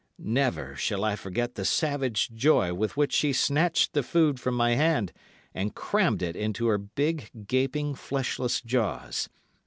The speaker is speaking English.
Never shall I forget the savage joy with which she snatched the food from my hand and crammed it into her big, gaping, fleshless jaws.